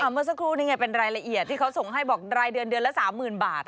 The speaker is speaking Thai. เมื่อสักครู่นี่ไงเป็นรายละเอียดที่เขาส่งให้บอกรายเดือนเดือนละ๓๐๐๐บาท